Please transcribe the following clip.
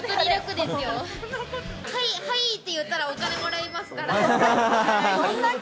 はいって言ったらお金もらえますから。